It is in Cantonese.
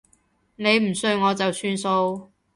你唔信我就算數